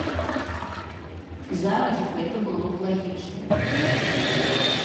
Зараз гэта было б лагічна.